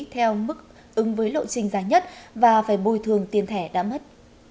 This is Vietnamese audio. theo mức ứng với lộ trình dài nhất và phải bồi thường tiền thẻ đã mất